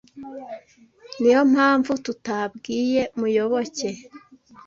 Niyo mpamvu tutabwiye Muyoboke.